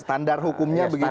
standar hukumnya begitu ya